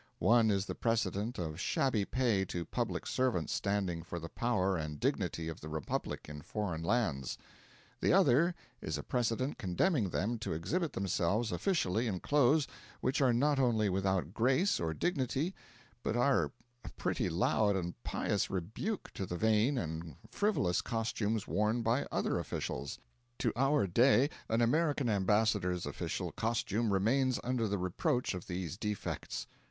One is the precedent of shabby pay to public servants standing for the power and dignity of the Republic in foreign lands; the other is a precedent condemning them to exhibit themselves officially in clothes which are not only without grace or dignity, but are a pretty loud and pious rebuke to the vain and frivolous costumes worn by the other officials. To our day an American ambassador's official costume remains under the reproach of these defects.